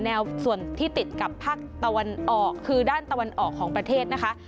แนวส่วนที่ติดกับภาคตะวันออกคือด้านตะวันออกของประเทศนะคะ